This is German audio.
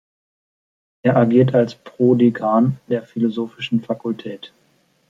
Er agierte als Prodekan der Philosophischen Fakultät.